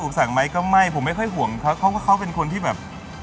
อุปสรรคไหมก็ไม่ผมไม่ค่อยห่วงเขาเป็นคนที่แบบ